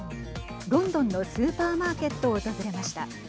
ロンドンのスーパーマーケットを訪れました。